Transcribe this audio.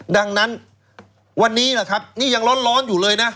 ดังนั้นวันนี้แหละครับนี่ยังร้อนอยู่เลยนะ